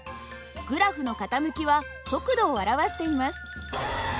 グラフの傾きは速度を表しています。